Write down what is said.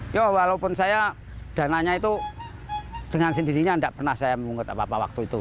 ya walaupun saya dananya itu dengan sendirinya tidak pernah saya mengungkut apa apa waktu itu